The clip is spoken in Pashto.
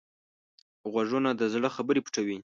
غوږونه د زړه خبرې پټوي